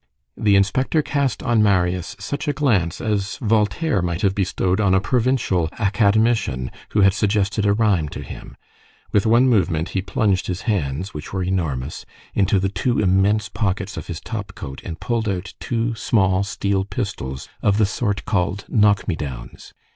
The inspector cast on Marius such a glance as Voltaire might have bestowed on a provincial academician who had suggested a rhyme to him; with one movement he plunged his hands, which were enormous, into the two immense pockets of his top coat, and pulled out two small steel pistols, of the sort called "knock me downs."